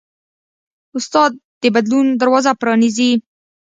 استاد د بدلون دروازه پرانیزي.